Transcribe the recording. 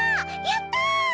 やった！